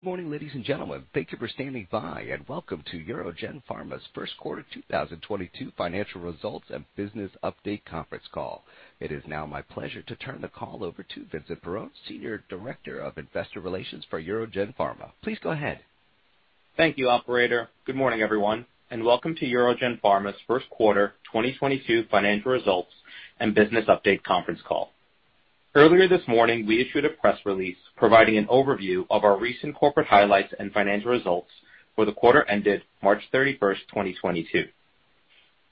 Good morning, ladies and gentlemen. Thank you for standing by, and welcome to UroGen Pharma's Q1 2022 financial results and business update conference call. It is now my pleasure to turn the call over to Vincent Perrone, Senior Director of Investor Relations for UroGen Pharma. Please go ahead. Thank you, operator. Good morning, everyone, and welcome to UroGen Pharma's Q1 2022 financial results and business update conference call. Earlier this morning, we issued a press release providing an overview of our recent corporate highlights and financial results for the quarter ended March 31st, 2022.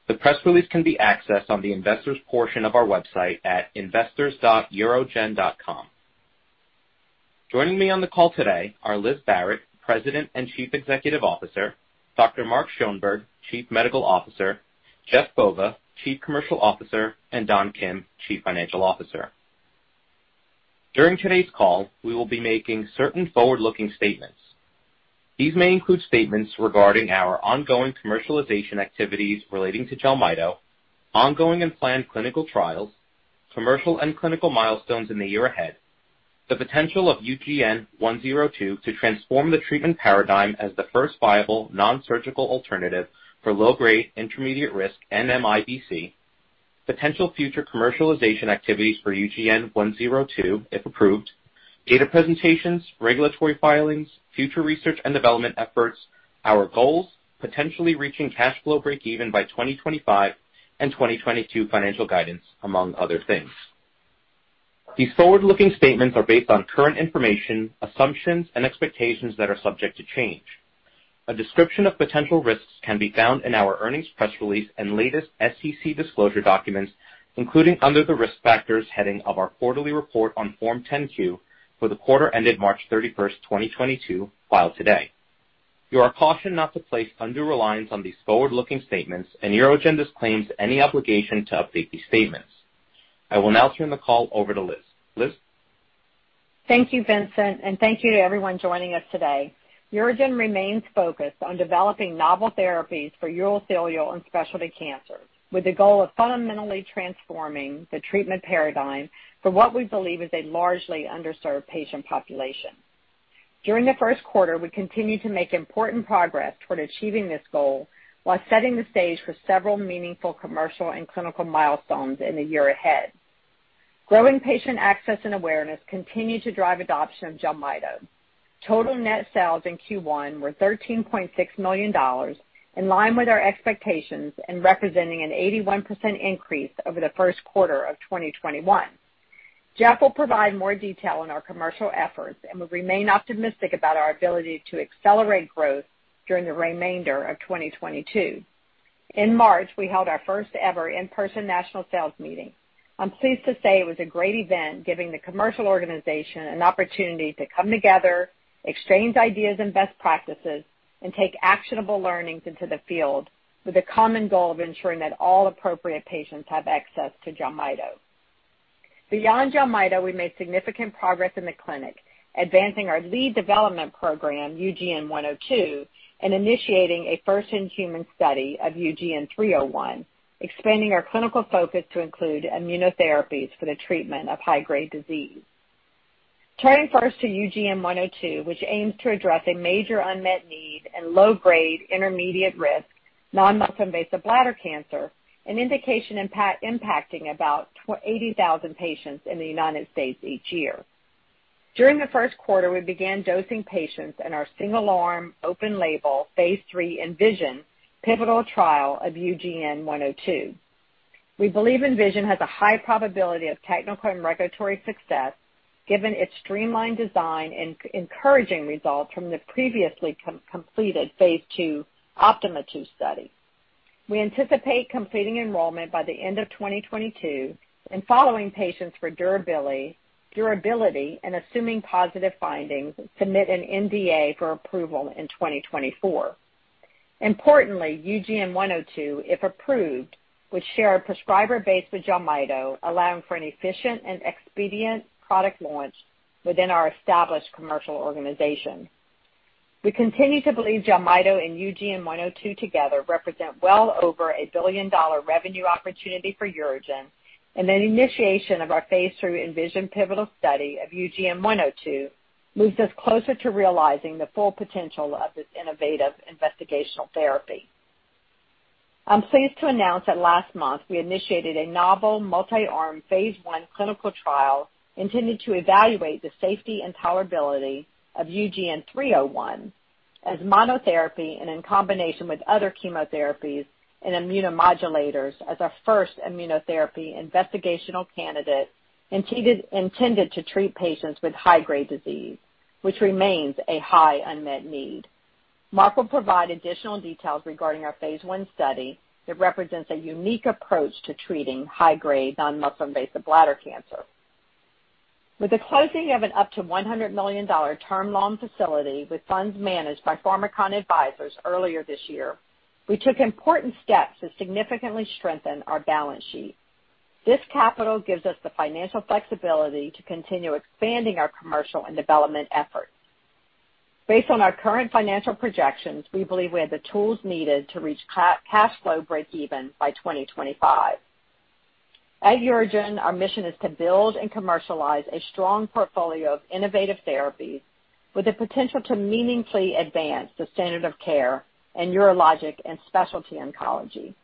The press release can be accessed on the investors portion of our website at investors.urogen.com. Joining me on the call today are Liz Barrett, President and Chief Executive Officer, Dr. Mark Schoenberg, Chief Medical Officer, Jeff Bova, Chief Commercial Officer, and Don Kim, Chief Financial Officer. During today's call, we will be making certain forward-looking statements. These may include statements regarding our ongoing commercialization activities relating to JELMYTO, ongoing and planned clinical trials, commercial and clinical milestones in the year ahead, the potential of UGN-102 to transform the treatment paradigm as the first viable non-surgical alternative for low-grade intermediate-risk NMIBC, potential future commercialization activities for UGN-102 if approved, data presentations, regulatory filings, future research and development efforts, our goals, potentially reaching cash flow breakeven by 2025, and 2022 financial guidance, among other things. These forward-looking statements are based on current information, assumptions, and expectations that are subject to change. A description of potential risks can be found in our earnings press release and latest SEC disclosure documents, including under the Risk Factors heading of our quarterly report on Form 10-Q for the quarter ended March 31st, 2022, filed today. You are cautioned not to place undue reliance on these forward-looking statements and UroGen disclaims any obligation to update these statements. I will now turn the call over to Liz. Liz? Thank you, Vincent, and thank you to everyone joining us today. UroGen remains focused on developing novel therapies for urothelial and specialty cancers, with the goal of fundamentally transforming the treatment paradigm for what we believe is a largely underserved patient population. During the Q1, we continued to make important progress toward achieving this goal while setting the stage for several meaningful commercial and clinical milestones in the year ahead. Growing patient access and awareness continued to drive adoption of JELMYTO. Total net sales in Q1 were $13.6 million, in line with our expectations and representing an 81% increase over the Q1 of 2021. Jeff will provide more detail on our commercial efforts, and we remain optimistic about our ability to accelerate growth during the remainder of 2022. In March, we held our first-ever in-person national sales meeting. I'm pleased to say it was a great event, giving the commercial organization an opportunity to come together, exchange ideas and best practices, and take actionable learnings into the field with the common goal of ensuring that all appropriate patients have access to JELMYTO. Beyond JELMYTO, we made significant progress in the clinic, advancing our lead development program, UGN-102, and initiating a first-in-human study of UGN-301, expanding our clinical focus to include immunotherapies for the treatment of high-grade disease. Turning first to UGN-102, which aims to address a major unmet need in low-grade intermediate risk non-muscle invasive bladder cancer, an indication impacting about 80,000 patients in the United States each year. During the Q1, we began dosing patients in our single-arm open label Phase 3 ENVISION pivotal trial of UGN-102. We believe ENVISION has a high probability of technical and regulatory success given its streamlined design and encouraging results from the previously completed Phase 2 OPTIMA II study. We anticipate completing enrollment by the end of 2022 and following patients for durability and assuming positive findings, submit an NDA for approval in 2024. Importantly, UGN-102, if approved, would share a prescriber base with JELMYTO, allowing for an efficient and expedient product launch within our established commercial organization. We continue to believe JELMYTO and UGN-102 together represent well over a billion-dollar revenue opportunity for UroGen, and the initiation of our Phase 3 ENVISION pivotal study of UGN-102 moves us closer to realizing the full potential of this innovative investigational therapy. I'm pleased to announce that last month we initiated a novel multi-arm Phase 1 clinical trial intended to evaluate the safety and tolerability of UGN-301 as monotherapy and in combination with other chemotherapies and immunomodulators as our first immunotherapy investigational candidate intended to treat patients with high-grade disease, which remains a high unmet need. Mark will provide additional details regarding our Phase 1 study that represents a unique approach to treating high-grade non-muscle invasive bladder cancer. With the closing of an up to $100 million term loan facility with funds managed by Pharmakon Advisors earlier this year, we took important steps to significantly strengthen our balance sheet. This capital gives us the financial flexibility to continue expanding our commercial and development efforts. Based on our current financial projections, we believe we have the tools needed to reach cash flow breakeven by 2025. At UroGen, our mission is to build and commercialize a strong portfolio of innovative therapies with the potential to meaningfully advance the standard of care in urologic and specialty oncology,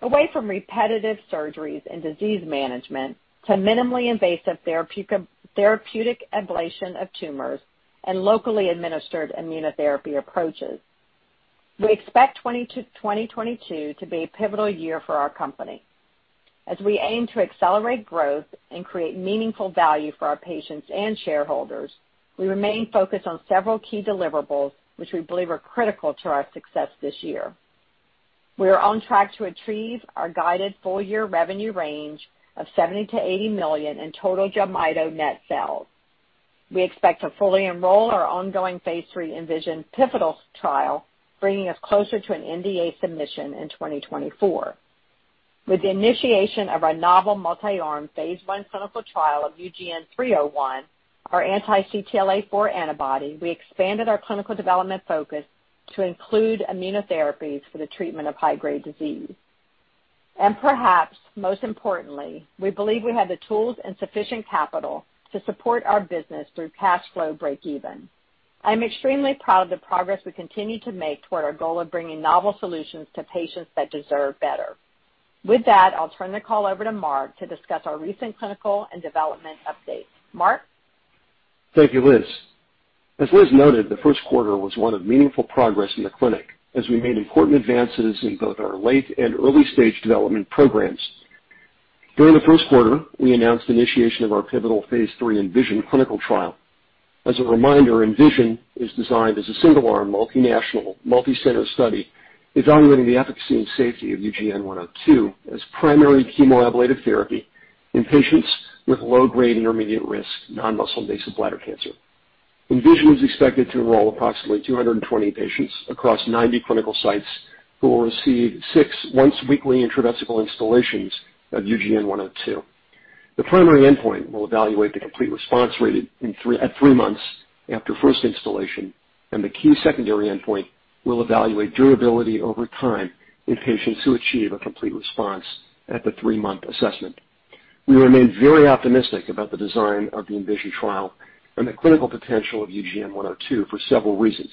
away from repetitive surgeries and disease management to minimally invasive therapeutic ablation of tumors and locally administered immunotherapy approaches. We expect 2022 to be a pivotal year for our company. As we aim to accelerate growth and create meaningful value for our patients and shareholders, we remain focused on several key deliverables which we believe are critical to our success this year. We are on track to achieve our guided full year revenue range of $70 million to $80 million in total JELMYTO net sales. We expect to fully enroll our ongoing Phase 3 ENVISION pivotal trial, bringing us closer to an NDA submission in 2024. With the initiation of our novel multi-arm Phase 1 clinical trial of UGN-301, our anti-CTLA-4 antibody, we expanded our clinical development focus to include immunotherapies for the treatment of high-grade disease. Perhaps most importantly, we believe we have the tools and sufficient capital to support our business through cash flow breakeven. I'm extremely proud of the progress we continue to make toward our goal of bringing novel solutions to patients that deserve better. With that, I'll turn the call over to Mark to discuss our recent clinical and development updates. Mark? Thank you, Liz. As Liz noted, the Q1 was one of meaningful progress in the clinic as we made important advances in both our late and early stage development programs. During the Q1, we announced initiation of our pivotal Phase 3 ENVISION clinical trial. As a reminder, ENVISION is designed as a single-arm, multinational, multi-center study evaluating the efficacy and safety of UGN-102 as primary chemoablative therapy in patients with low-grade intermediate risk non-muscle invasive bladder cancer. ENVISION is expected to enroll approximately 220 patients across 90 clinical sites who will receive six once weekly intravesical installations of UGN-102. The primary endpoint will evaluate the complete response rate at three months after first installation, and the key secondary endpoint will evaluate durability over time in patients who achieve a complete response at the three-month assessment. We remain very optimistic about the design of the ENVISION trial and the clinical potential of UGN-102 for several reasons.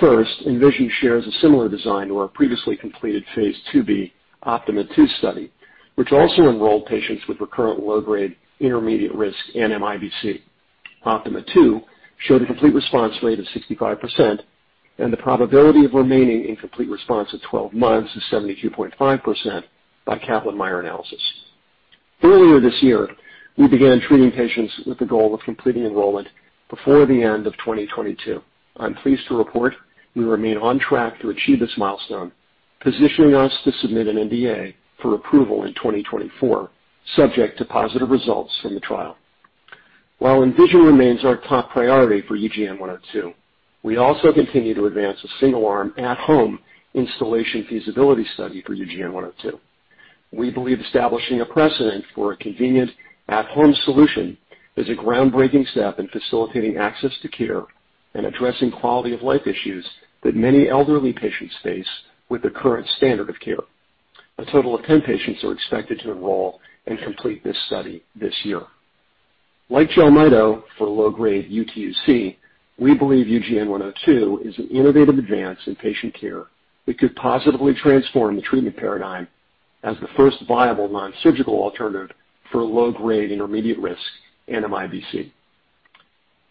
First, ENVISION shares a similar design to our previously completed Phase 2b OPTIMA II study, which also enrolled patients with recurrent low-grade intermediate-risk NMIBC. OPTIMA II showed a complete response rate of 65%, and the probability of remaining in complete response at 12 months is 72.5% by Kaplan-Meier analysis. Earlier this year, we began treating patients with the goal of completing enrollment before the end of 2022. I'm pleased to report we remain on track to achieve this milestone, positioning us to submit an NDA for approval in 2024, subject to positive results from the trial. While ENVISION remains our top priority for UGN-102, we also continue to advance a single-arm at-home instillation feasibility study for UGN-102. We believe establishing a precedent for a convenient at home solution is a groundbreaking step in facilitating access to care and addressing quality of life issues that many elderly patients face with the current standard of care. A total of 10 patients are expected to enroll and complete this study this year. Like JELMYTO for low-grade UTUC, we believe UGN-102 is an innovative advance in patient care that could positively transform the treatment paradigm as the first viable non-surgical alternative for low-grade intermediate risk NMIBC.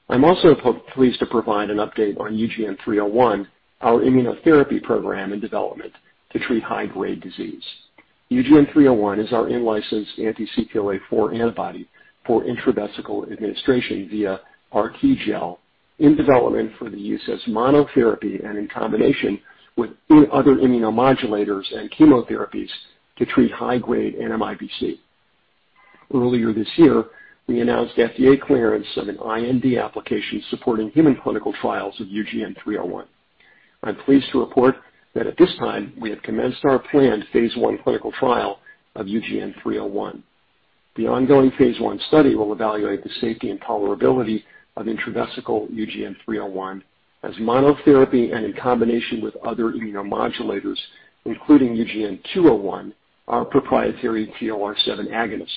I'm also pleased to provide an update on UGN-301, our immunotherapy program and development to treat high-grade disease. UGN-301 is our in-licensed anti-CTLA-4 antibody for intravesical administration via our RTGel in development for the use as monotherapy and in combination with other immunomodulators and chemotherapies to treat high-grade NMIBC. Earlier this year, we announced FDA clearance of an IND application supporting human clinical trials of UGN-301. I'm pleased to report that at this time, we have commenced our planned Phase 1 clinical trial of UGN-301. The ongoing Phase 1 study will evaluate the safety and tolerability of intravesical UGN-301 as monotherapy and in combination with other immunomodulators, including UGN-201, our proprietary TLR7 agonist,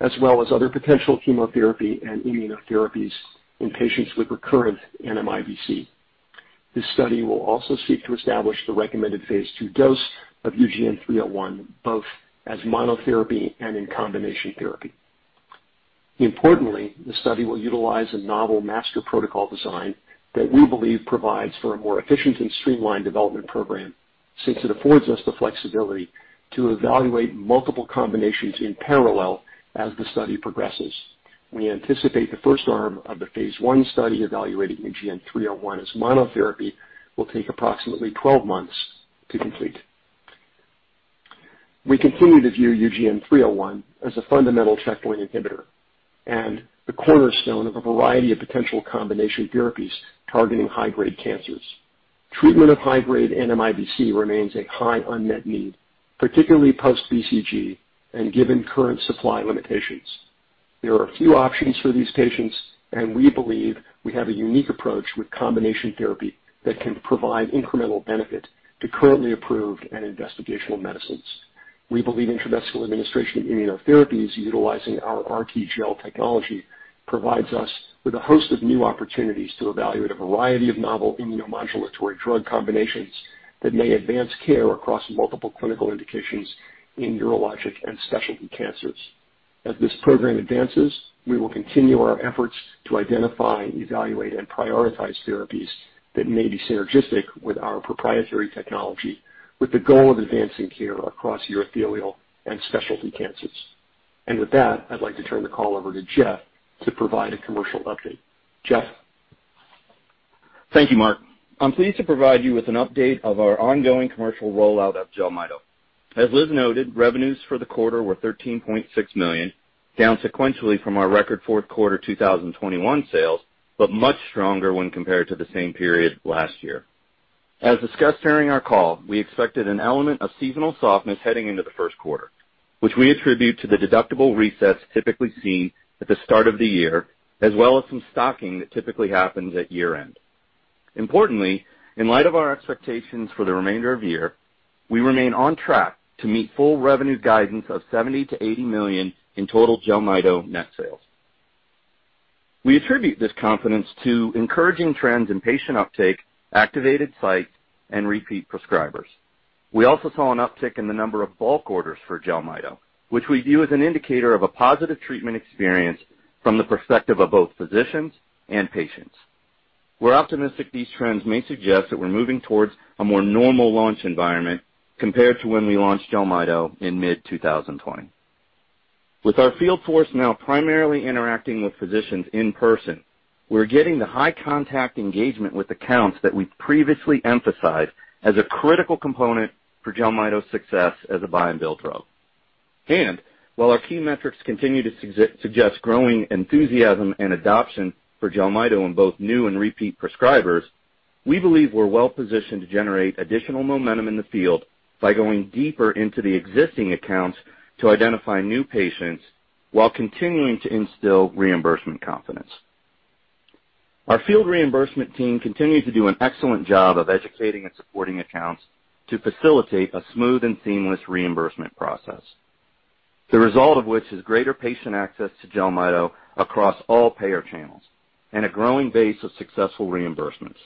as well as other potential chemotherapy and immunotherapies in patients with recurrent NMIBC. This study will also seek to establish the recommended Phase 2 dose of UGN-301, both as monotherapy and in combination therapy. Importantly, the study will utilize a novel master protocol design that we believe provides for a more efficient and streamlined development program since it affords us the flexibility to evaluate multiple combinations in parallel as the study progresses. We anticipate the first arm of the Phase 1 study evaluating UGN-301 as monotherapy will take approximately 12 months to complete. We continue to view UGN-301 as a fundamental checkpoint inhibitor and the cornerstone of a variety of potential combination therapies targeting high-grade cancers. Treatment of high-grade NMIBC remains a high unmet need, particularly post-BCG and given current supply limitations. There are a few options for these patients, and we believe we have a unique approach with combination therapy that can provide incremental benefit to currently approved and investigational medicines. We believe intravesical administration of immunotherapies utilizing our RTGel technology provides us with a host of new opportunities to evaluate a variety of novel immunomodulatory drug combinations that may advance care across multiple clinical indications in urologic and specialty cancers. As this program advances, we will continue our efforts to identify, evaluate, and prioritize therapies that may be synergistic with our proprietary technology, with the goal of advancing care across urothelial and specialty cancers. With that, I'd like to turn the call over to Jeff to provide a commercial update. Jeff? Thank you, Mark. I'm pleased to provide you with an update of our ongoing commercial rollout of JELMYTO. As Liz noted, revenues for the quarter were $13.6 million, down sequentially from our record Q4 2021 sales, but much stronger when compared to the same period last year. As discussed during our call, we expected an element of seasonal softness heading into the Q1 which we attribute to the deductible resets typically seen at the start of the year, as well as some stocking that typically happens at year-end. Importantly, in light of our expectations for the remainder of the year, we remain on track to meet full revenue guidance of $70 million to $80 million in total JELMYTO net sales. We attribute this confidence to encouraging trends in patient uptake, activated sites, and repeat prescribers. We also saw an uptick in the number of bulk orders for JELMYTO, which we view as an indicator of a positive treatment experience from the perspective of both physicians and patients. We're optimistic these trends may suggest that we're moving towards a more normal launch environment compared to when we launched JELMYTO in mid-2020. With our field force now primarily interacting with physicians in person, we're getting the high contact engagement with accounts that we've previously emphasized as a critical component for JELMYTO's success as a buy-and-bill drug. While our key metrics continue to suggest growing enthusiasm and adoption for JELMYTO in both new and repeat prescribers, we believe we're well positioned to generate additional momentum in the field by going deeper into the existing accounts to identify new patients while continuing to instill reimbursement confidence. Our field reimbursement team continued to do an excellent job of educating and supporting accounts to facilitate a smooth and seamless reimbursement process, the result of which is greater patient access to JELMYTO across all payer channels and a growing base of successful reimbursements.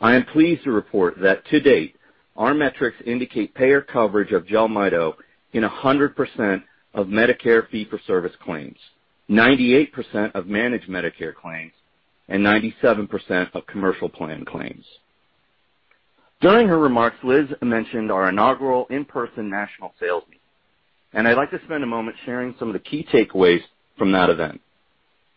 I am pleased to report that to date, our metrics indicate payer coverage of JELMYTO in 100% of Medicare fee-for-service claims, 98% of managed Medicare claims, and 97% of commercial plan claims. During her remarks, Liz mentioned our inaugural in-person national sales meeting, and I'd like to spend a moment sharing some of the key takeaways from that event.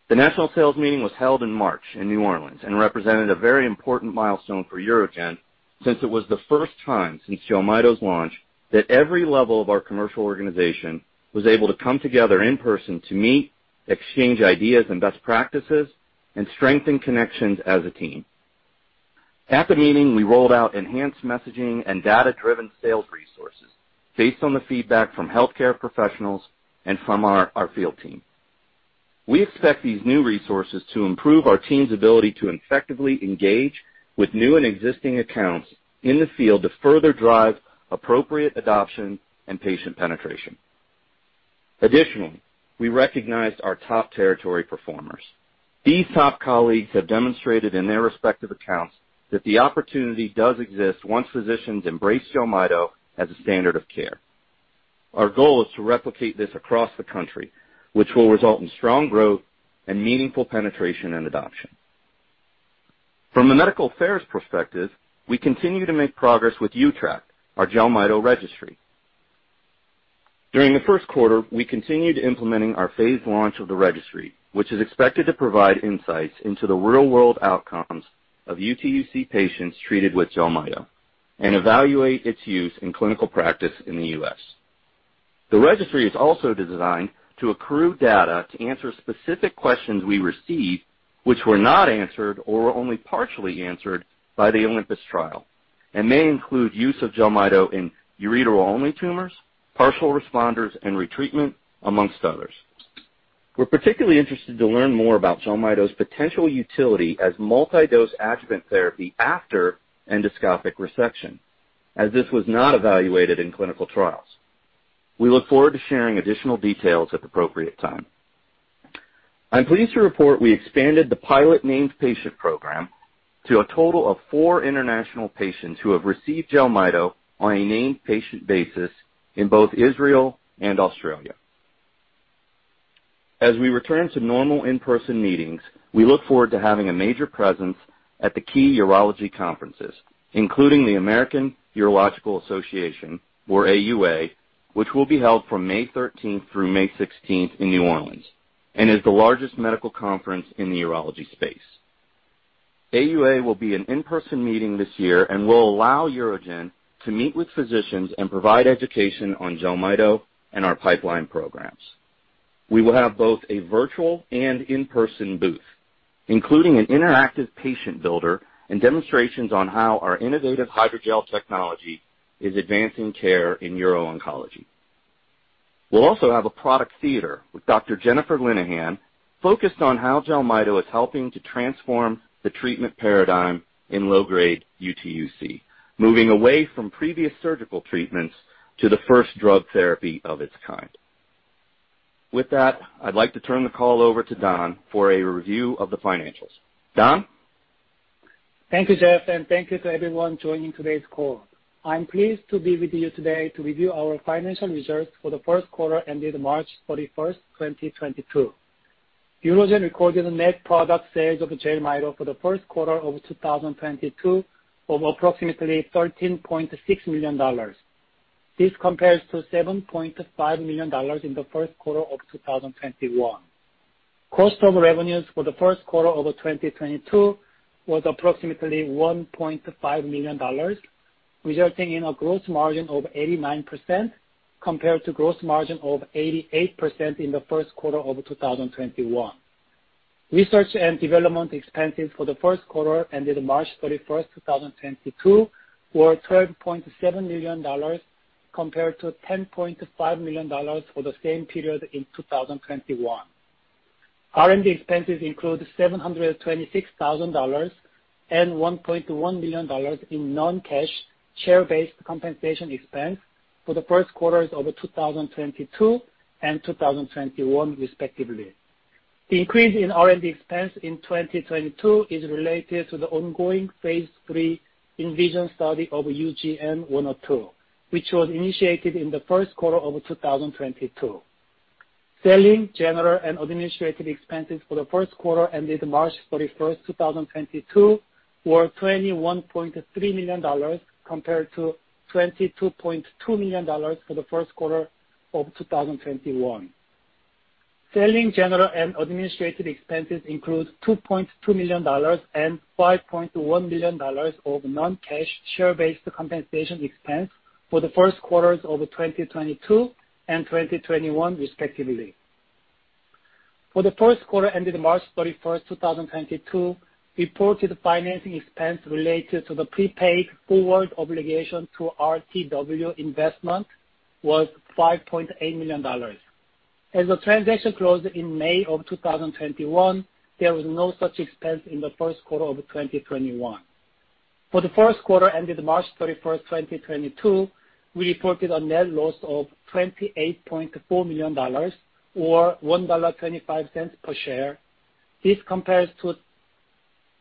The national sales meeting was held in March in New Orleans and represented a very important milestone for UroGen since it was the first time since JELMYTO's launch that every level of our commercial organization was able to come together in person to meet, exchange ideas and best practices, and strengthen connections as a team. At the meeting, we rolled out enhanced messaging and data-driven sales resources based on the feedback from healthcare professionals and from our field team. We expect these new resources to improve our team's ability to effectively engage with new and existing accounts in the field to further drive appropriate adoption and patient penetration. Additionally, we recognized our top territory performers. These top colleagues have demonstrated in their respective accounts that the opportunity does exist once physicians embrace JELMYTO as a standard of care. Our goal is to replicate this across the country, which will result in strong growth and meaningful penetration and adoption. From the medical affairs perspective, we continue to make progress with uTRACT, our JELMYTO registry. During the Q1, we continued implementing our phased launch of the registry, which is expected to provide insights into the real-world outcomes of UTUC patients treated with JELMYTO and evaluate its use in clinical practice in the U.S.. The registry is also designed to accrue data to answer specific questions we received, which were not answered or were only partially answered by the OLYMPUS trial and may include use of JELMYTO in ureteral-only tumors, partial responders, and retreatment, among others. We're particularly interested to learn more about JELMYTO's potential utility as multi-dose adjuvant therapy after endoscopic resection, as this was not evaluated in clinical trials. We look forward to sharing additional details at the appropriate time. I'm pleased to report we expanded the pilot named patient program to a total of four international patients who have received JELMYTO on a named patient basis in both Israel and Australia. As we return to normal in-person meetings, we look forward to having a major presence at the key urology conferences, including the American Urological Association, or AUA, which will be held from May 13th through May 16th in New Orleans and is the largest medical conference in the urology space. AUA will be an in-person meeting this year and will allow UroGen to meet with physicians and provide education on JELMYTO and our pipeline programs. We will have both a virtual and in-person booth, including an interactive patient builder and demonstrations on how our innovative hydrogel technology is advancing care in uro-oncology. We'll also have a product theater with Dr. Jennifer Linehan, focused on how JELMYTO is helping to transform the treatment paradigm in low-grade UTUC, moving away from previous surgical treatments to the first drug therapy of its kind. With that, I'd like to turn the call over to Don for a review of the financials. Don? Thank you, Jeff, and thank you to everyone joining today's call. I'm pleased to be with you today to review our financial results for the Q1 ended March 31st, 2022. UroGen recorded net product sales of JELMYTO for the Q1 of 2022 of approximately $13.6 million. This compares to $7.5 million in the Q1 of 2021. Cost of revenues for the Q1 of 2022 was approximately $1.5 million, resulting in a gross margin of 89% compared to gross margin of 88% in the Q1 of 2021. Research and development expenses for the Q1 ended March 31st, 2022 were $12.7 million compared to $10.5 million for the same period in 2021. R&D expenses include $726,000 and $1.1 million in non-cash share-based compensation expense for the Q1 of 2022 and 2021, respectively. The increase in R&D expense in 2022 is related to the ongoing Phase 3 ENVISION study of UGN-102, which was initiated in the Q1 of 2022. Selling, general and administrative expenses for the Q1 ended March 31st, 2022 were $21.3 million compared to $22.2 million for the Q1 of 2021. Selling, general and administrative expenses include $2.2 million and $5.1 million of non-cash share-based compensation expense for the Q1s' of 2022 and 2021, respectively. For the Q1 ended March 31st, 2022, reported financing expense related to the prepaid forward obligation to RTW Investments was $5.8 million. As the transaction closed in May 2021, there was no such expense in the Q1 of 2021. For the Q1 ended March 31st, 2022, we reported a net loss of $28.4 million or $1.25 per share. This compares to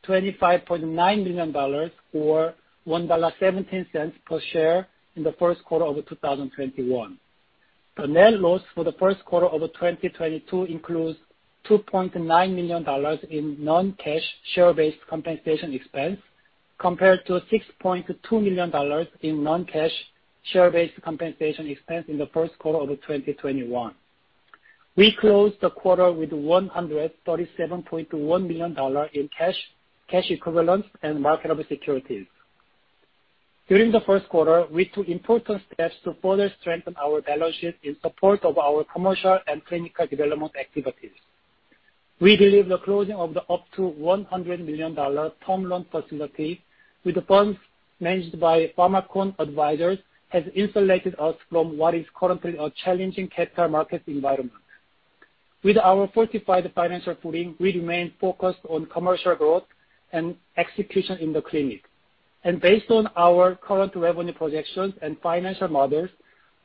$25.9 million or $1.17 per share in the Q1 of 2021. The net loss for the Q1 of 2022 includes $2.9 million in non-cash share-based compensation expense compared to $6.2 million in non-cash share-based compensation expense in the Q1 of 2021. We closed the quarter with $137.1 million in cash equivalents and marketable securities. During the Q1, we took important steps to further strengthen our balance sheet in support of our commercial and clinical development activities. We believe the closing of the up to $100 million term loan facility with the funds managed by Pharmakon Advisors has insulated us from what is currently a challenging capital market environment. With our fortified financial footing, we remain focused on commercial growth and execution in the clinic. Based on our current revenue projections and financial models,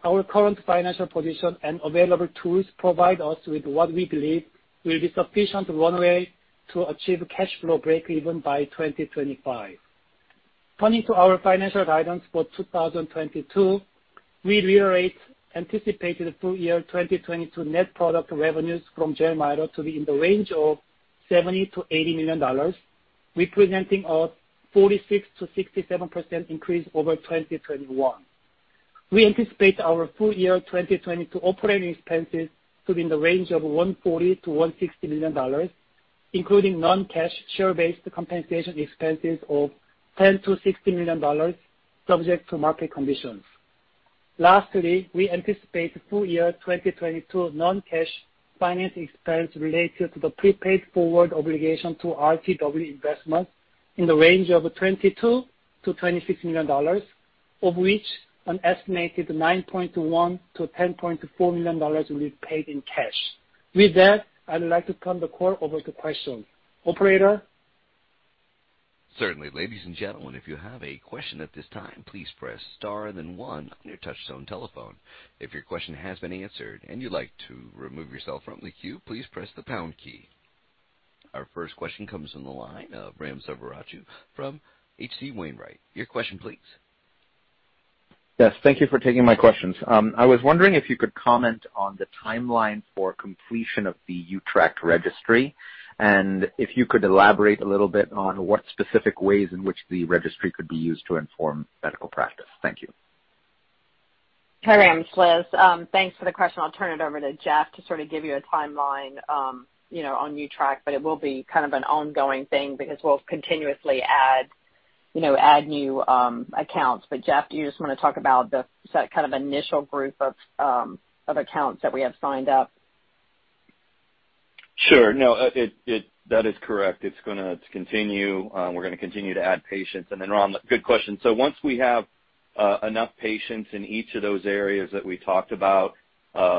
our current financial position and available tools provide us with what we believe will be sufficient runway to achieve cash flow breakeven by 2025. Turning to our financial guidance for 2022, we reiterate anticipated full year 2022 net product revenues from JELMYTO to be in the range of $70 million to $80 million, representing a 46% to 67% increase over 2021. We anticipate our full year 2022 operating expenses to be in the range of $140 million to $160 million, including non-cash share-based compensation expenses of $10 million to $60 million subject to market conditions. Lastly, we anticipate full year 2022 non-cash finance expense related to the prepaid forward obligation to RTW Investments in the range of $22 million to $26 million, of which an estimated $9.1 million to $10.4 million will be paid in cash. With that, I'd like to turn the call over to questions. Operator? Certainly. Ladies and gentlemen, if you have a question at this time, please press star and then one on your touch tone telephone. If your question has been answered and you'd like to remove yourself from the queue, please press the pound key. Our first question comes from the line of Ram Selvaraju from H.C. Wainwright. Your question please. Yes, thank you for taking my questions. I was wondering if you could comment on the timeline for completion of the uTRACT registry, and if you could elaborate a little bit on what specific ways in which the registry could be used to inform medical practice? Thank you. Hi Ram, it's Liz. Thanks for the question. I'll turn it over to Jeff to sort of give you a timeline, you know, on uTRACT, but it will be kind of an ongoing thing because we'll continuously add You know, add new accounts. Jeff, do you just wanna talk about the kind of initial group of accounts that we have signed up? Sure. No, that is correct. It's gonna continue. We're gonna continue to add patients. Ram, good question. Once we have enough patients in each of those areas that we talked about,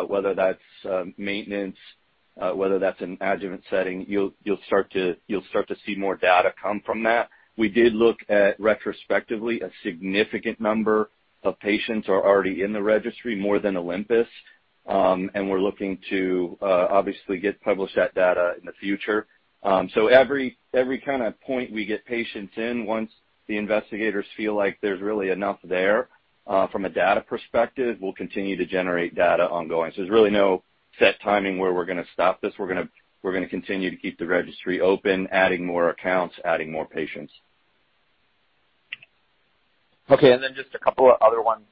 whether that's maintenance, whether that's an adjuvant setting, you'll start to see more data come from that. We did look at, retrospectively, a significant number of patients are already in the registry, more than Olympus. We're looking to, obviously, publish that data in the future. Every kind of point we get patients in, once the investigators feel like there's really enough there, from a data perspective, we'll continue to generate data ongoing. There's really no set timing where we're gonna stop this. We're gonna continue to keep the registry open, adding more accounts, adding more patients. Okay. Just a couple of other ones,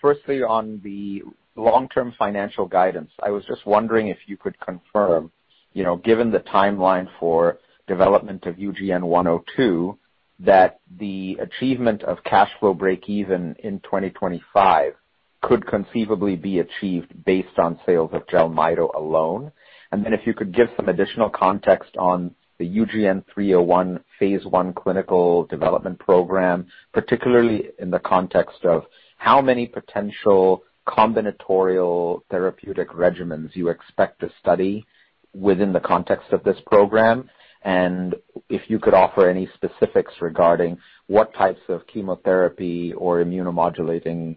firstly on the long-term financial guidance. I was just wondering if you could confirm, you know, given the timeline for development of UGN-102, that the achievement of cash flow breakeven in 2025 could conceivably be achieved based on sales of JELMYTO alone. If you could give some additional context on the UGN-301 Phase 1 clinical development program, particularly in the context of how many potential combinatorial therapeutic regimens you expect to study within the context of this program. If you could offer any specifics regarding what types of chemotherapy or immunomodulating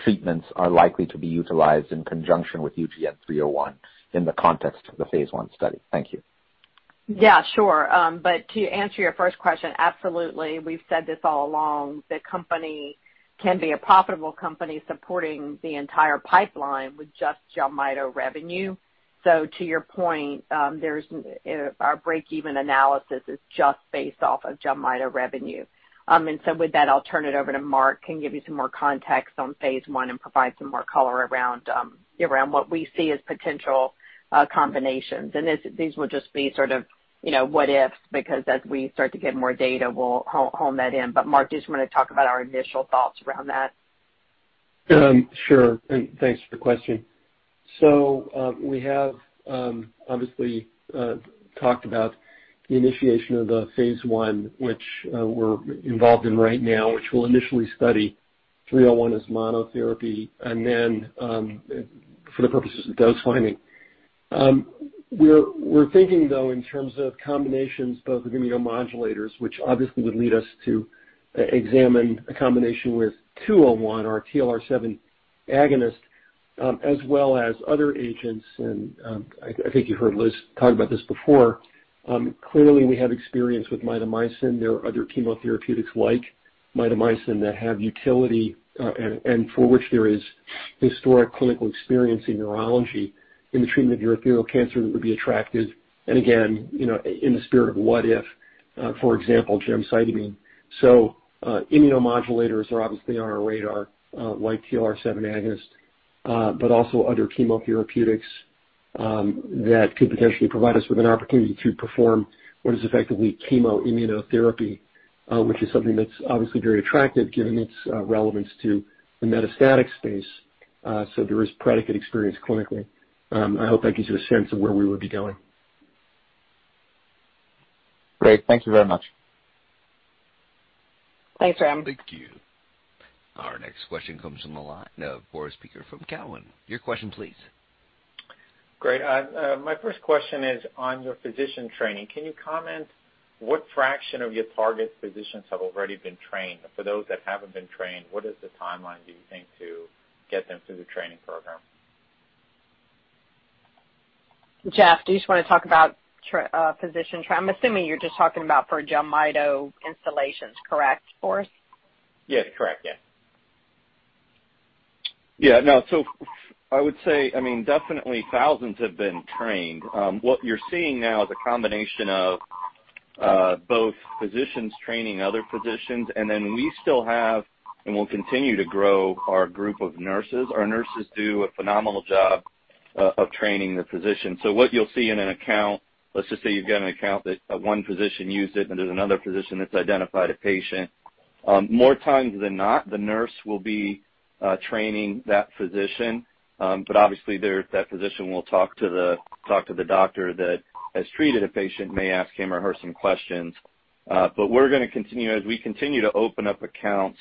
treatments are likely to be utilized in conjunction with UGN-301 in the context of the Phase 1 study. Thank you. Yeah, sure. To answer your first question, absolutely. We've said this all along, the company can be a profitable company supporting the entire pipeline with just JELMYTO revenue. To your point, there's our breakeven analysis is just based off of JELMYTO revenue. With that, I'll turn it over to Mark, can give you some more context on Phase 1 and provide some more color around what we see as potential combinations. These will just be sort of, you know, what-ifs, because as we start to get more data, we'll hone that in. Mark, do you just wanna talk about our initial thoughts around that? Sure, thanks for the question. We have obviously talked about the initiation of the Phase 1, which we're involved in right now, which we'll initially study as monotherapy. For the purposes of dose finding. We're thinking though in terms of combinations both with immunomodulators, which obviously would lead us to examine a combination with UGN-201, our TLR7 agonist, as well as other agents. I think you heard Liz talk about this before. Clearly we have experience with mitomycin. There are other chemotherapeutics like mitomycin that have utility, and for which there is historic clinical experience in urology in the treatment of urothelial cancer that would be attractive. Again, you know, in the spirit of what if, for example, gemcitabine. Immunomodulators are obviously on our radar, like TLR7 agonist, but also other chemotherapeutics, that could potentially provide us with an opportunity to perform what is effectively chemoimmunotherapy, which is something that's obviously very attractive given its relevance to the metastatic space. There is predicate experience clinically. I hope that gives you a sense of where we would be going. Great. Thank you very much. Thanks, Ram. Thank you. Our next question comes from the line of Boris Peaker from Cowen. Your question please. Great. My first question is on your physician training. Can you comment what fraction of your target physicians have already been trained? For those that haven't been trained, what is the timeline, do you think, to get them through the training program? Jeff, do you just wanna talk about physician training? I'm assuming you're just talking about for JELMYTO installations, correct, Boris? Yes, correct. Yeah. I would say, I mean, definitely thousands have been trained. What you're seeing now is a combination of both physicians training other physicians, and then we still have, and we'll continue to grow our group of nurses. Our nurses do a phenomenal job of training the physicians. What you'll see in an account, let's just say you've got an account that one physician used it, and there's another physician that's identified a patient. More times than not, the nurse will be training that physician. But obviously that physician will talk to the doctor that has treated a patient, may ask him or her some questions. But we're gonna continue. As we continue to open up accounts,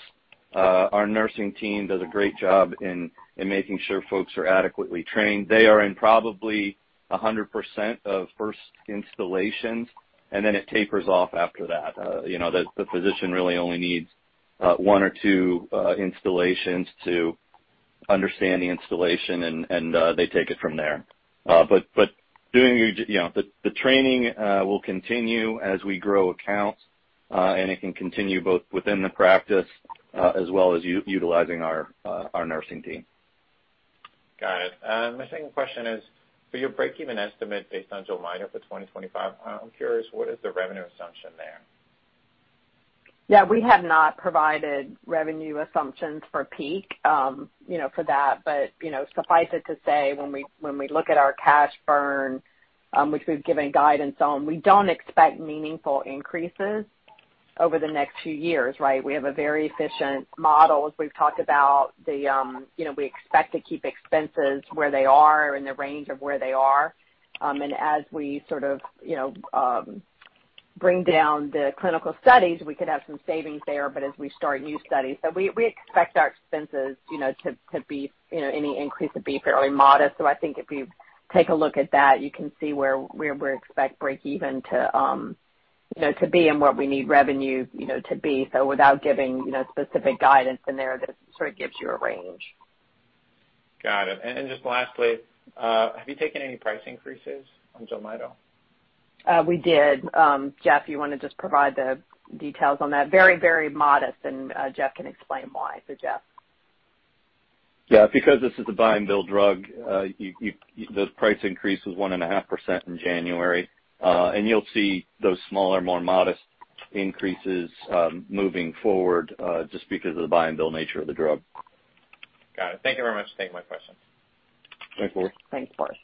our nursing team does a great job in making sure folks are adequately trained. They are in probably 100% of first installations, and then it tapers off after that. You know, the physician really only needs one or two installations to understand the installation and they take it from there. Doing you know, the training will continue as we grow accounts, and it can continue both within the practice as well as utilizing our nursing team. Got it. My second question is, for your breakeven estimate based on JELMYTO for 2025, I'm curious, what is the revenue assumption there? Yeah. We have not provided revenue assumptions for peak, you know, for that. You know, suffice it to say, when we look at our cash burn, which we've given guidance on, we don't expect meaningful increases. Over the next two years, right? We have a very efficient model. As we've talked about, we expect to keep expenses where they are, in the range of where they are. We sort of, you know, bring down the clinical studies, we could have some savings there, but as we start new studies. We expect our expenses, you know, to be, you know, any increase to be fairly modest. I think if you take a look at that, you can see where we expect breakeven to, you know, to be and what we need revenue, you know, to be. Without giving, you know, specific guidance in there, this sort of gives you a range. Got it. Just lastly, have you taken any price increases on JELMYTO? We did. Jeff, you wanna just provide the details on that? Very, very modest, and Jeff can explain why. Jeff. Yeah. Because this is a buy-and-bill drug, the price increase was 1.5% in January. You'll see those smaller, more modest increases moving forward, just because of the buy-and-bill nature of the drug. Got it. Thank you very much for taking my question. Thanks, Boris. Thanks, Boris.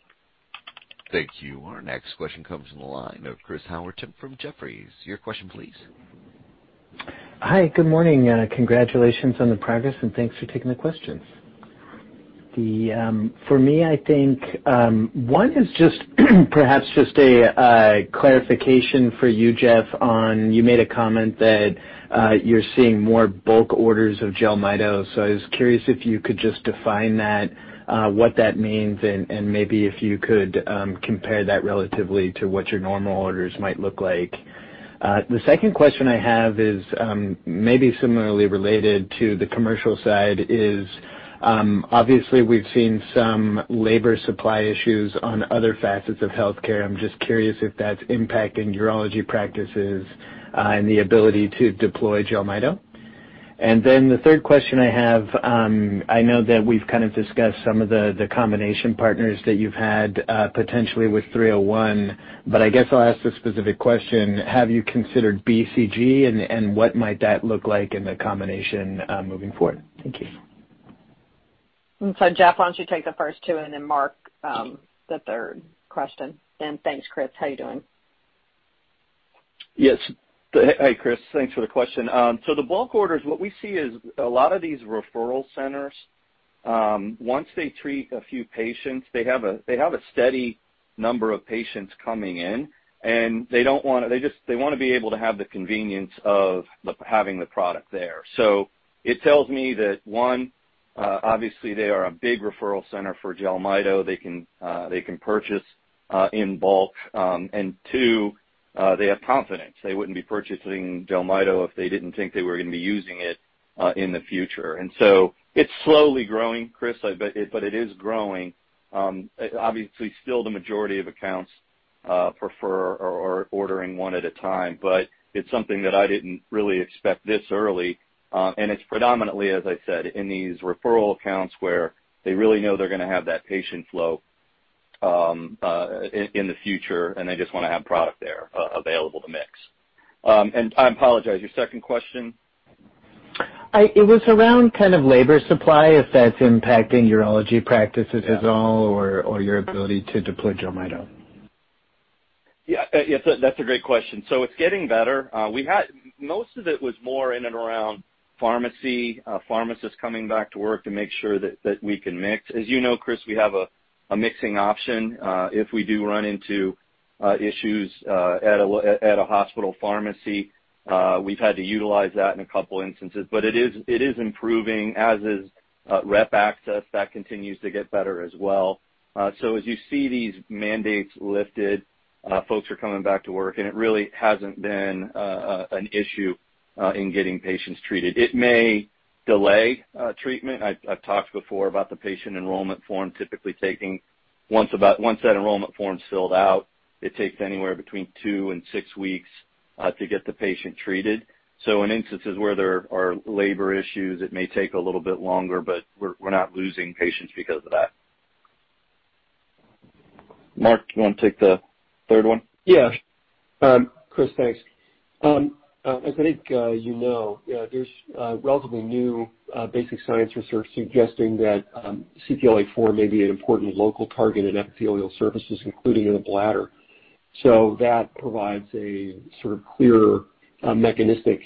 Thank you. Our next question comes from the line of Chris Howerton from Jefferies. Your question please. Hi, good morning, congratulations on the progress and thanks for taking the questions. For me, I think one is just perhaps a clarification for you, Jeff, on you made a comment that you're seeing more bulk orders of JELMYTO. So I was curious if you could just define that, what that means, and maybe if you could compare that relatively to what your normal orders might look like. The second question I have is maybe similarly related to the commercial side. Obviously we've seen some labor supply issues on other facets of healthcare. I'm just curious if that's impacting urology practices and the ability to deploy JELMYTO. Then the third question I have, I know that we've kind of discussed some of the combination partners that you've had, potentially with UGN-301, but I guess I'll ask the specific question: Have you considered BCG and what might that look like in the combination, moving forward? Thank you. Jeff, why don't you take the first two, and then Mark, the third question. Thanks, Chris. How are you doing? Yes. Hey, Chris. Thanks for the question. So the bulk orders, what we see is a lot of these referral centers, once they treat a few patients, they have a steady number of patients coming in, and they don't wanna. They just, they wanna be able to have the convenience of the, having the product there. So it tells me that, one, obviously they are a big referral center for JELMYTO. They can purchase in bulk. And two, they have confidence. They wouldn't be purchasing JELMYTO if they didn't think they were gonna be using it in the future. It's slowly growing, Chris. But it is growing. Obviously still the majority of accounts prefer or are ordering one at a time, but it's something that I didn't really expect this early. It's predominantly, as I said, in these referral accounts where they really know they're gonna have that patient flow in the future, and they just wanna have product there available to mix. I apologize, your second question? It was around kind of labor supply, if that's impacting urology practices at all, or your ability to deploy JELMYTO? Yeah. Yes, that's a great question. It's getting better. Most of it was more in and around pharmacy, pharmacists coming back to work to make sure that we can mix. As you know, Chris, we have a mixing option if we do run into issues at a hospital pharmacy. We've had to utilize that in a couple instances. It is improving as is rep access. That continues to get better as well. As you see these mandates lifted, folks are coming back to work and it really hasn't been an issue in getting patients treated. It may delay treatment. I've talked before about the patient enrollment form typically taking. Once that enrollment form's filled out, it takes anywhere between two and six weeks to get the patient treated. In instances where there are labor issues, it may take a little bit longer, but we're not losing patients because of that. Mark, you wanna take the third one? Yeah. Chris, thanks. As I think, you know, there's relatively new basic science research suggesting that CTLA-4 may be an important local target in epithelial surfaces, including in the bladder. That provides a sort of clearer mechanistic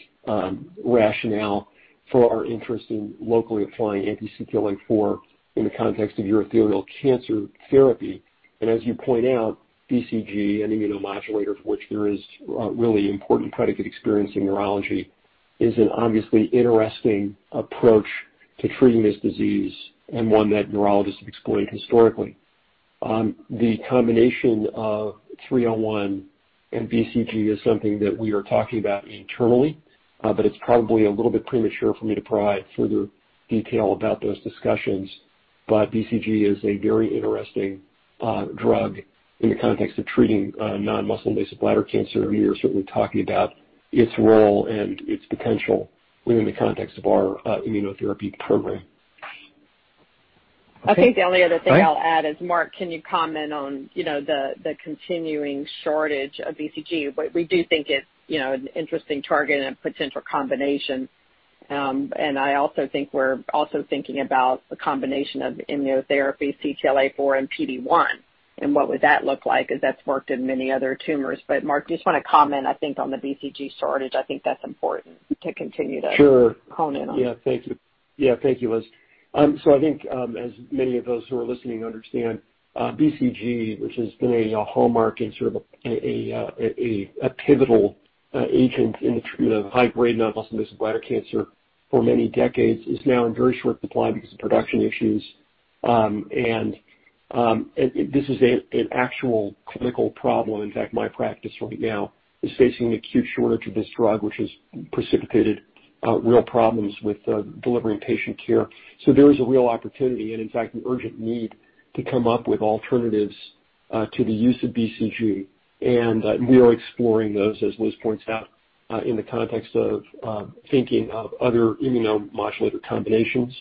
rationale for our interest in locally applying anti-CTLA-4 in the context of urothelial cancer therapy. As you point out, BCG, an immunomodulator for which there is really important predicate experience in urology, is an obviously interesting approach to treating this disease and one that urologists have explored historically. The combination of UGN-301 and BCG is something that we are talking about internally, but it's probably a little bit premature for me to provide further detail about those discussions. BCG is a very interesting drug in the context of treating non-muscle invasive bladder cancer, and we are certainly talking about its role and its potential within the context of our immunotherapy program. Okay. I think the only other thing I'll add is, Mark, can you comment on, you know, the continuing shortage of BCG? We do think it's, you know, an interesting target and a potential combination. I also think we're also thinking about the combination of immunotherapy, CTLA-4 and PD-1 and what would that look like, as that's worked in many other tumors. Mark, do you just wanna comment, I think, on the BCG shortage, I think that's important to continue to. Sure. hone in on. Yeah. Thank you. Yeah, thank you, Liz. I think, as many of those who are listening understand, BCG, which has been a hallmark and sort of a pivotal agent in the treatment of high-grade non-muscle invasive bladder cancer for many decades, is now in very short supply because of production issues. This is an actual clinical problem. In fact, my practice right now is facing an acute shortage of this drug, which has precipitated real problems with delivering patient care. There is a real opportunity and in fact, an urgent need to come up with alternatives to the use of BCG. We are exploring those, as Liz points out, in the context of thinking of other immunomodulator combinations,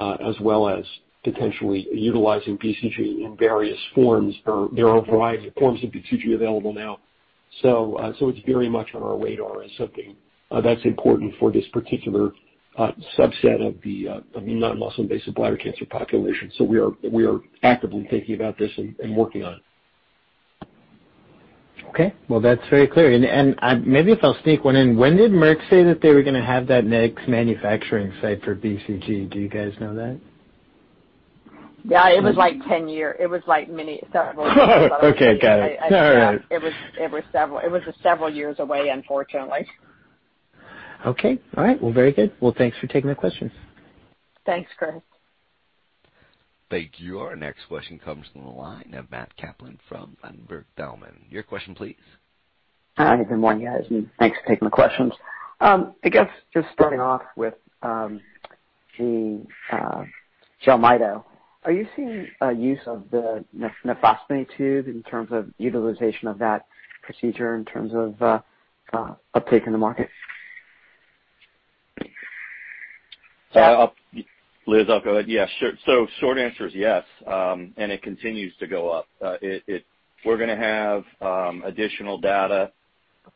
as well as potentially utilizing BCG in various forms, or there are a variety of forms of BCG available now. It's very much on our radar as something that's important for this particular subset of the non-muscle invasive bladder cancer population. We are actively thinking about this and working on it. Okay. Well, that's very clear. Maybe if I'll sneak one in. When did Merck say that they were gonna have that next manufacturing site for BCG? Do you guys know that? Yeah, it was like 10-year. It was like many several. Okay. Got it. All right. It was several years away, unfortunately. Okay. All right. Well, very good. Well, thanks for taking the questions. Thanks, Chris. Thank you. Our next question comes from the line of Matt Kaplan from Ladenburg Thalmann. Your question please. Hi, good morning, guys, and thanks for taking the questions. I guess just starting off with the JELMYTO. Are you seeing a use of the nephrostomy tube in terms of utilization of that procedure in terms of uptake in the market? Liz, I'll go ahead. Yeah, sure. Short answer is yes, and it continues to go up. We're gonna have additional data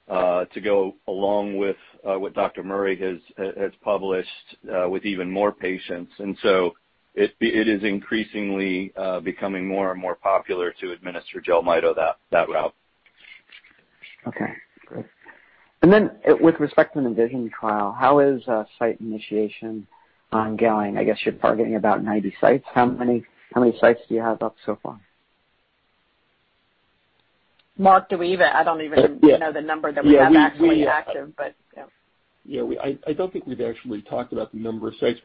to go along with what Dr. Murray has published with even more patients. It is increasingly becoming more and more popular to administer JELMYTO that route. Okay, great. With respect to an ENVISION trial, how is site initiation going? I guess you're targeting about 90 sites. How many sites do you have up so far? Mark, I don't even know the number that we have actually active, but yeah. Yeah, I don't think we've actually talked about the number of sites.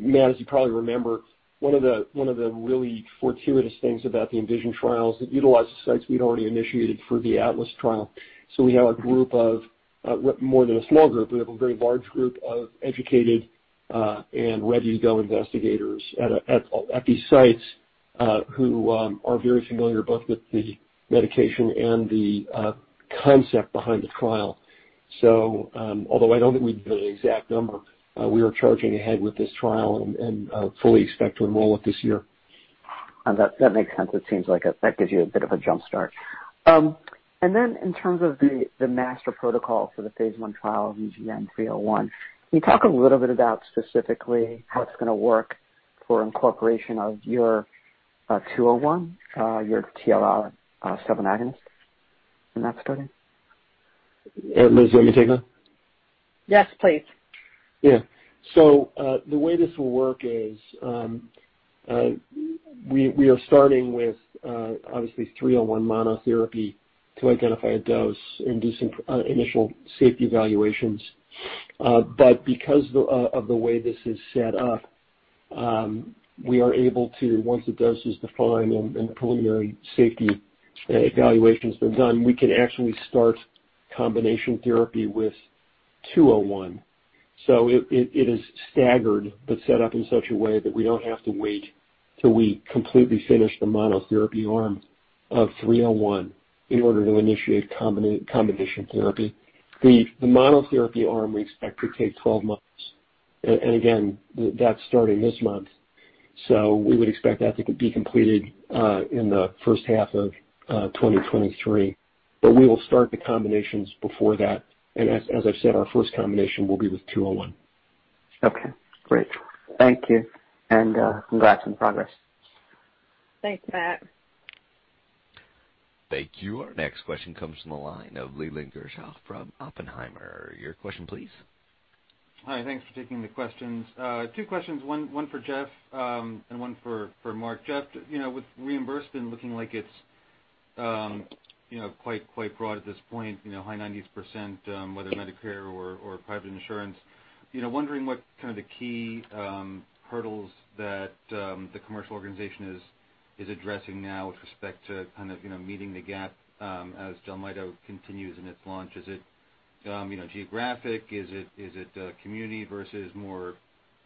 Matt, as you probably remember, one of the really fortuitous things about the ENVISION trial is it utilized the sites we'd already initiated for the ATLAS Trial. So we have a group of more than a small group, we have a very large group of educated and ready-to-go investigators at these sites who are very familiar both with the medication and the concept behind the trial. So although I don't think we have the exact number, we are charging ahead with this trial and fully expect to enroll it this year. That makes sense. It seems like that gives you a bit of a jump start. In terms of the master protocol for the Phase 1 trial, UGN-301, can you talk a little bit about specifically how it's gonna work for incorporation of your UGN-201, your TLR7 agonist in that study? Liz, do you want me take that? Yes, please. The way this will work is, we are starting with obviously UGN-301 monotherapy to identify a dose and do some initial safety evaluations. Because of the way this is set up, we are able to, once the dose is defined and the preliminary safety evaluation has been done, we can actually start combination therapy with UGN-201. It is staggered, but set up in such a way that we don't have to wait till we completely finish the monotherapy arm of UGN-301 in order to initiate combination therapy. The monotherapy arm we expect to take 12 months. Again, that's starting this month. We would expect that to be completed in the first half of 2023. We will start the combinations before that. As I've said, our first combination will be with UGN-201. Okay, great. Thank you. Congrats on progress. Thanks, Matt. Thank you. Our next question comes from the line of Leland Gershell from Oppenheimer. Your question please. Hi. Thanks for taking the questions. Two questions, one for Jeff, and one for Mark. Jeff, you know, with reimbursement looking like it's, you know, quite broad at this point, you know, high 90s%, whether Medicare or private insurance, you know, wondering what kind of the key hurdles that the commercial organization is addressing now with respect to kind of, you know, meeting the gap, as JELMYTO continues in its launch. Is it, you know, geographic? Is it, community versus more,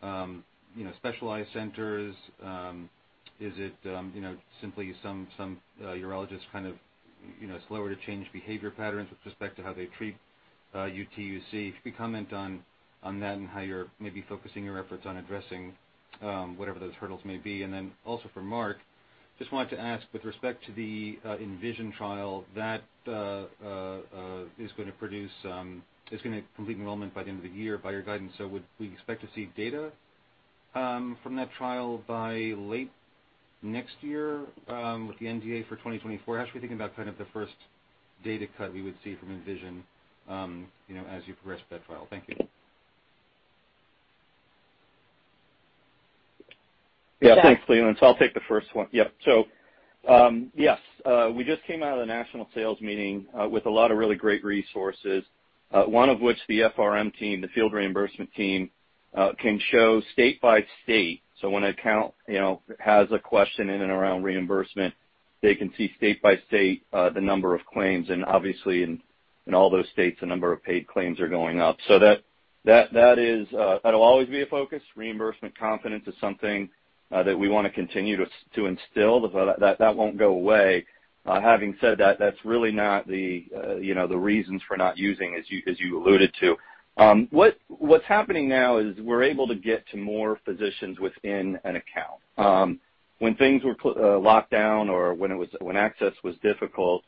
you know, specialized centers? Is it, you know, simply some urologists kind of, you know, slower to change behavior patterns with respect to how they treat UTUC. If you could comment on that and how you're maybe focusing your efforts on addressing whatever those hurdles may be. Then also for Mark. Just wanted to ask with respect to the ENVISION trial that is gonna complete enrollment by the end of the year by your guidance. Would we expect to see data from that trial by late next year with the NDA for 2024? How should we think about kind of the first data cut we would see from ENVISION, you know, as you progress that trial? Thank you. Thanks, Leland. I'll take the first one. Yep. Yes, we just came out of the national sales meeting with a lot of really great resources, one of which, the FRM team, the field reimbursement team, can show state by state. When an account, you know, has a question in and around reimbursement, they can see state by state the number of claims, and obviously, in all those states, the number of paid claims are going up. That is, that'll always be a focus. Reimbursement confidence is something that we wanna continue to instill. That won't go away. Having said that's really not the reasons for not using, as you alluded to. What's happening now is we're able to get to more physicians within an account. When things were locked down or when access was difficult,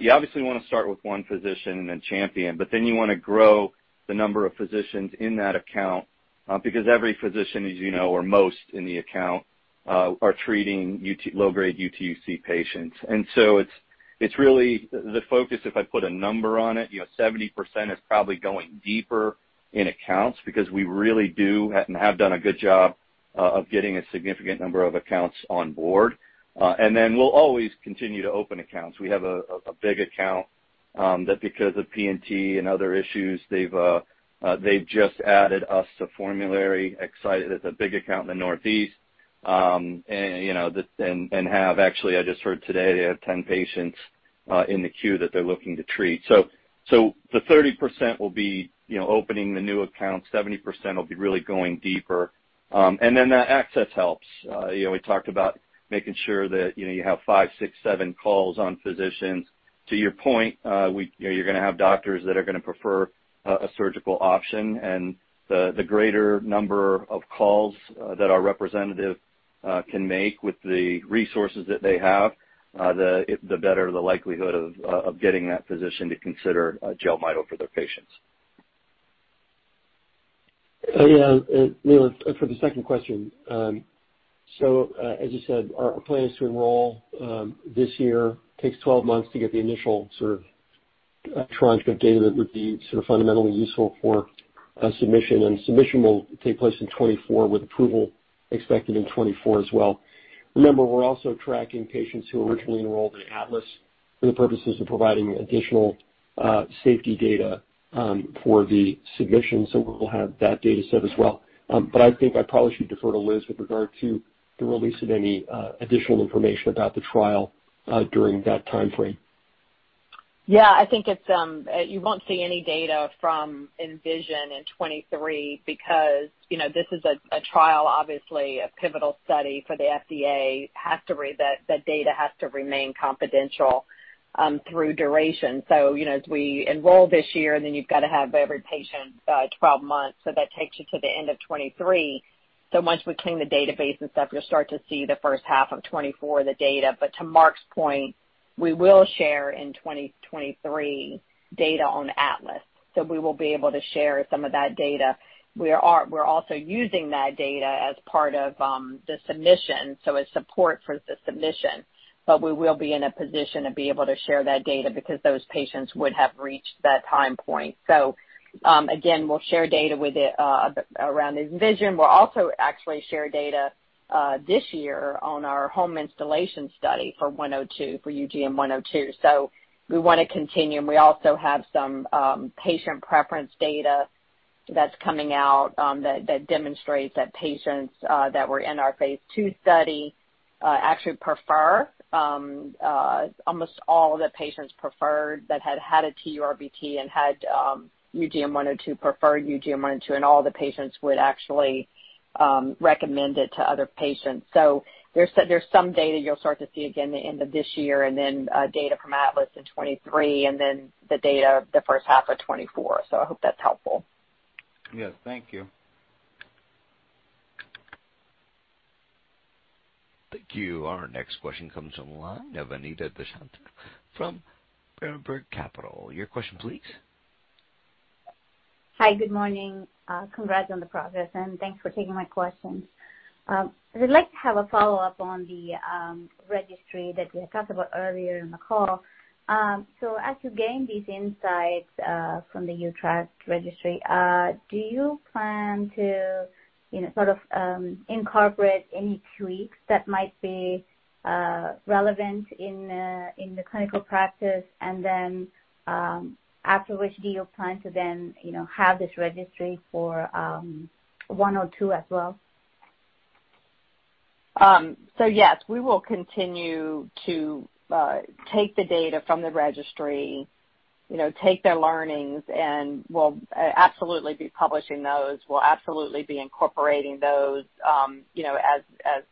you obviously wanna start with one physician and then champion, but then you wanna grow the number of physicians in that account, because every physician, as you know, or most in the account, are treating low-grade UTUC patients. It's really the focus, if I put a number on it, you know, 70% is probably going deeper in accounts because we really do and have done a good job of getting a significant number of accounts on board. We'll always continue to open accounts. We have a big account that because of P&T and other issues, they've just added us to formulary. Excited. It's a big account in the Northeast. Actually, I just heard today, they have 10 patients in the queue that they're looking to treat. The 30% will be, you know, opening the new accounts. 70% will be really going deeper. Then the access helps. You know, we talked about making sure that, you know, you have five, six, seven calls on physicians. To your point, we, you know, you're gonna have doctors that are gonna prefer a surgical option. The greater number of calls that our representative can make with the resources that they have, the better the likelihood of getting that physician to consider JELMYTO for their patients. Yeah, Leland, for the second question. As you said, our plan is to enroll this year. Takes 12 months to get the initial sort of tranche of data that would be sort of fundamentally useful for a submission, and submission will take place in 2024, with approval expected in 2024 as well. Remember, we're also tracking patients who originally enrolled in ATLAS for the purposes of providing additional safety data for the submission. We'll have that data set as well. I think I probably should defer to Liz with regard to the release of any additional information about the trial during that timeframe. Yeah. I think it's you won't see any data from ENVISION in 2023 because, you know, this is a trial, obviously a pivotal study for the FDA, that data has to remain confidential through duration. You know, as we enroll this year, and then you've got to have every patient 12 months, so that takes you to the end of 2023. Once we clean the database and stuff, you'll start to see the first half of 2024, the data. To Mark's point, we will share in 2023 data on ATLAS. We will be able to share some of that data. We're also using that data as part of the submission, so as support for the submission. We will be in a position to be able to share that data because those patients would have reached that time point. Again, we'll share data with it around ENVISION. We'll also actually share data this year on our home instillation study for UGN-102. We wanna continue, and we also have some patient preference data that's coming out that demonstrates that patients that were in our phase II study actually prefer almost all the patients preferred that had had a TURBT and had UGN-102 preferred UGN-102, and all the patients would actually recommend it to other patients. There's some data you'll start to see again the end of this year and then data from ATLAS in 2023 and then the data the first half of 2024. I hope that's helpful. Yes. Thank you. Thank you. Our next question comes on the line of Anita Dushyanth from Berenberg Capital Markets. Your question please. Hi. Good morning. Congrats on the progress, and thanks for taking my questions. I would like to have a follow-up on the registry that we had talked about earlier in the call. So as you gain these insights from the uTRACT registry, do you plan to, you know, sort of, incorporate any tweaks that might be relevant in the clinical practice and then, after which do you plan to then, you know, have this registry for UGN-102 as well? Yes, we will continue to take the data from the registry, you know, take their learnings, and we'll absolutely be publishing those. We'll absolutely be incorporating those, you know,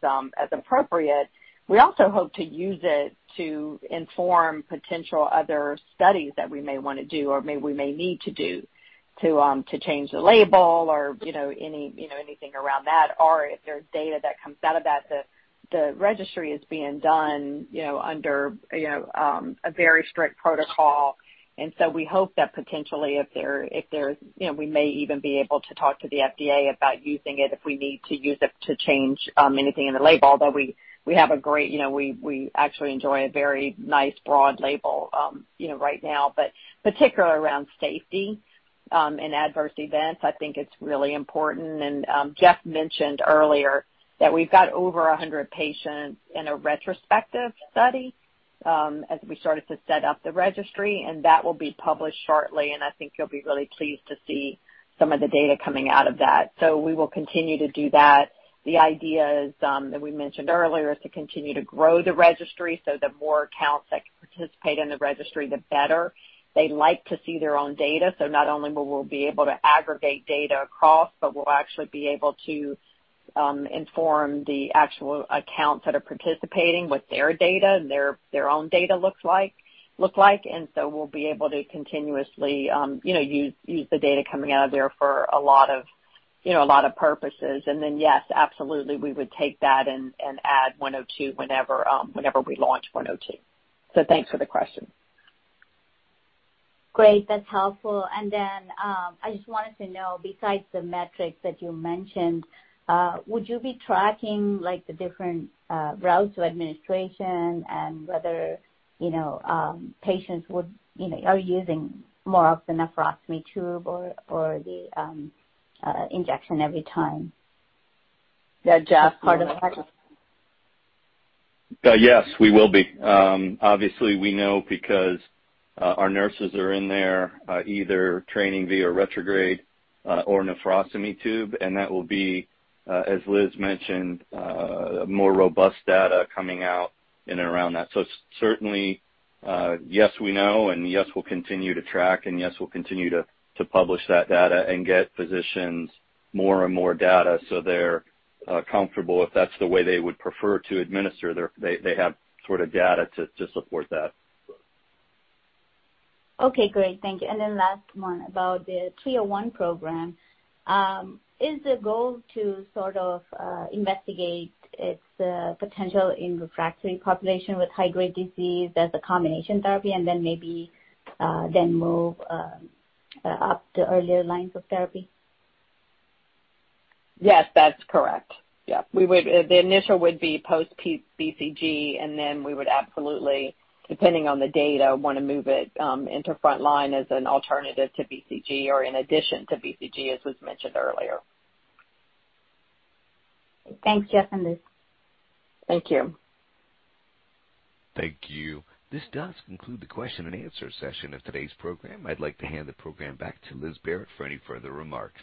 as appropriate. We also hope to use it to inform potential other studies that we may wanna do or we may need to do to change the label or, you know, anything around that, or if there's data that comes out of that. The registry is being done, you know, under a very strict protocol. We hope that potentially if there's you know, we may even be able to talk to the FDA about using it if we need to use it to change anything in the label. Although we have a great. You know, we actually enjoy a very nice broad label, you know, right now. Particularly around safety, and adverse events, I think it's really important. Jeff mentioned earlier that we've got over 100 patients in a retrospective study, as we started to set up the registry, and that will be published shortly. I think you'll be really pleased to see some of the data coming out of that. We will continue to do that. The idea is, that we mentioned earlier, is to continue to grow the registry, so the more accounts that can participate in the registry, the better. They like to see their own data, so not only will we be able to aggregate data across, but we'll actually be able to inform the actual accounts that are participating with their data, their own data looks like. We'll be able to continuously, you know, use the data coming out of there for a lot of, you know, a lot of purposes. Yes, absolutely, we would take that and add one oh two whenever we launch one oh two. Thanks for the question. Great. That's helpful. I just wanted to know, besides the metrics that you mentioned, would you be tracking, like, the different routes of administration and whether, you know, patients would, you know, are using more of the nephrostomy tube or the injection every time? Yeah. Jeff? As part of the study. Yes, we will be. Obviously we know because our nurses are in there either training via retrograde or nephrostomy tube, and that will be, as Liz mentioned, more robust data coming out in and around that. Certainly, yes, we know, and yes, we'll continue to track, and yes, we'll continue to publish that data and get physicians more and more data so they're comfortable if that's the way they would prefer to administer their. They have sort of data to support that. Okay. Great. Thank you. Last one about the UGN-301 program. Is the goal to sort of investigate its potential in refractory population with high-grade disease as a combination therapy and then maybe move up the earlier lines of therapy? Yes, that's correct. Yeah. The initial would be post BCG, and then we would absolutely, depending on the data, wanna move it into front line as an alternative to BCG or in addition to BCG, as was mentioned earlier. Thanks, Jeff and Liz. Thank you. Thank you. This does conclude the Q&A session of today's program. I'd like to hand the program back to Liz Barrett for any further remarks.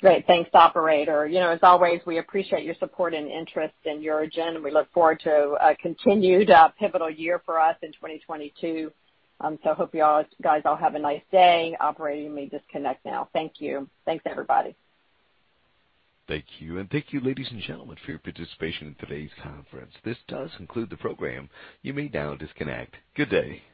Great. Thanks, operator. You know, as always, we appreciate your support and interest in UroGen, and we look forward to a continued, pivotal year for us in 2022. Hope you all, guys, all have a nice day. Operator, you may disconnect now. Thank you. Thanks, everybody. Thank you. Thank you, ladies and gentlemen, for your participation in today's Conference. This does conclude the program. You may now disconnect. Good day.